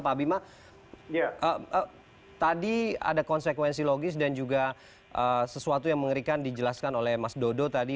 pak bima tadi ada konsekuensi logis dan juga sesuatu yang mengerikan dijelaskan oleh mas dodo tadi